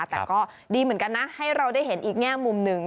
แต่ก็ดีเหมือนกันนะให้เราได้เห็นอีกแง่มุมหนึ่ง